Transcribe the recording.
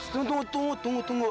tunggu tunggu tunggu